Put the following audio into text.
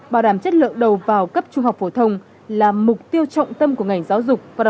bảo đảm chất lượng đầu vào cấp trung học phổ thông là mục tiêu trọng tâm của ngành giáo dục và đào tạo